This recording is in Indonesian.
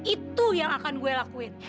itu yang akan gue lakuin